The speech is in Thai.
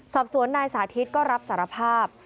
สอบสวนนายสาธิตก็รับสารภาพ